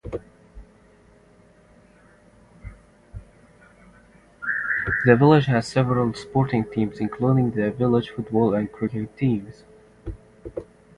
The village has several sporting teams including the village football and cricket teams.